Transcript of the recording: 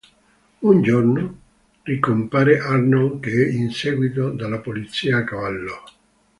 Un giorno, ricompare Arnold che è inseguito dalla polizia a cavallo.